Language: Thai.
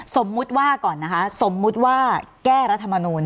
สมมุติว่าก่อนนะคะสมมุติว่าแก้รัฐมนูล